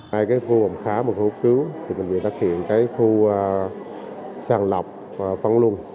hai khu khá một khu cứu bệnh viện đã thực hiện khu sang lọc phân luồn